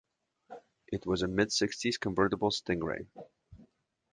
It was a mid sixties convertible Stingray.